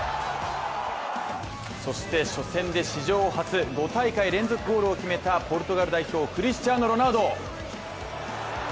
そして初戦で史上初、５大会連続ゴールを決めたポルトガル代表クリスティアーノ・ロナウド。